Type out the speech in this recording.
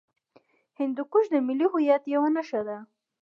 هندوکش د ملي هویت یوه نښه ده.